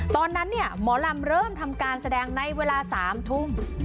ตอนนั้นหมอลำเริ่มทำการแสดงในเวลา๓ทุ่ม